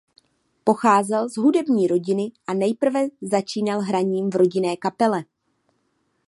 Pocházel z hudební rodiny a nejprve začínal hraním v rodinné kapele.